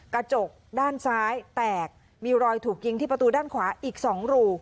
กระจกด้านซ้ายแตกมีรอยถูกยิงที่ประตูด้านขวาอีก๒รู